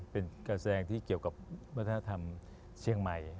เป็นการแสดงที่เกี่ยวกับวัฒนธรรมเชียงใหม่